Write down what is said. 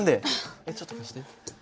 えっちょっと貸して。